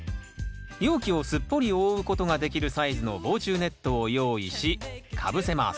容器をすっぽり覆うことができるサイズの防虫ネットを用意しかぶせます。